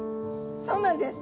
そうなんです。